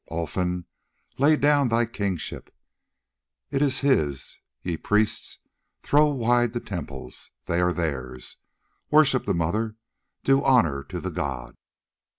Olfan, lay down thy kingship, it is his: ye priests, throw wide the temples, they are theirs. Worship the Mother, do honour to the god!"